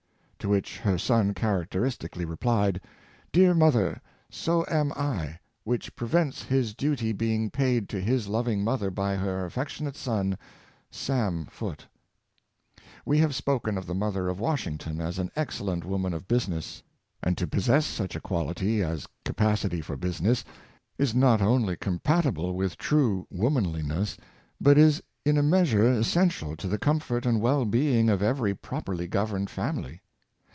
To which her son characteristically replied —" Dear mother, so am I; which prevents his duty being paid to his loving mother by her affectionate son, Sam Foote." We have spoken of the mother of Washington as an excellent woman of business; and to possess such a quality as capacity for business is not only compatible with true womanliness, but is in a measure essential to Wome?t and Business Habits, 111 the comfort and well being of every properly governed family.